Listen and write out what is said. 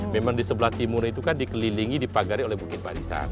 memang di sebelah timur itu kan dikelilingi dipagari oleh bukit barisan